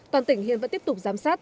toàn tỉnh hiện vẫn tiếp tục giám sát